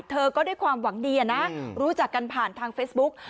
เธอก็ด้วยความหวังดีนะรู้จักกันผ่านทางเฟซบุ๊ก